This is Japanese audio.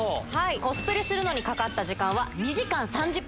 コスプレするのにかかった時間は２時間３０分。